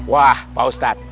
wah pak ustadz